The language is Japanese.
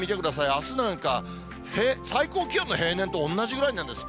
あすなんか、最高気温の平年と同じぐらいなんです。